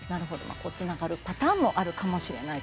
つながるパターンもあるかもしれないと。